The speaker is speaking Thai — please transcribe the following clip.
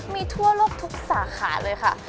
มีทั่วโลกทุกสาขาเลยค่ะ